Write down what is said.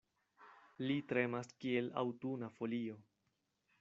Li tremas kiel aŭtuna folio.